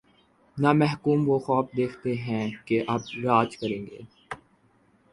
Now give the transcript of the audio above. نہ محکوم وہ خواب دیکھتے ہیں کہ:''اب راج کرے گی۔